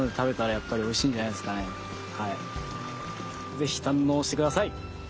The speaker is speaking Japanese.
ぜひ堪能して下さい！